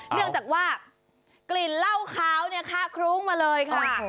เนื่องจากว่ากลิ่นเหล้าขาวเนี่ยคะคลุ้งมาเลยค่ะ